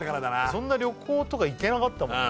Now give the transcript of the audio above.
そんな旅行とか行けなかったもん